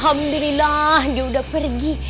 alhamdulillah dia sudah pergi